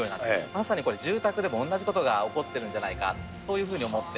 まさにこれ、住宅でも同じことが起こってるんじゃないか、そういうふうに思って。